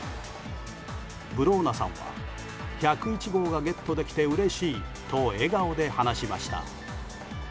ブローナさんは、１０１号がゲットできてうれしいと笑顔で話しました。